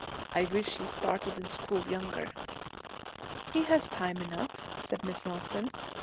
I wished he started in school younger.' 'He has time enough,' said Miss Ralston.